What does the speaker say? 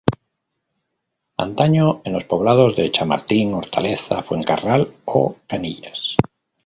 Antaño en los poblados de Chamartín, Hortaleza, Fuencarral o Canillas.